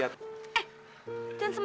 apa berarti orang lain